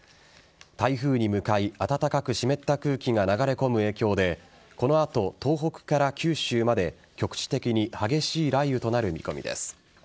台風に向かい暖かく湿った空気が流れ込む影響でこの後、東北から九州まで局地的に激しい雷雨となる見込みです。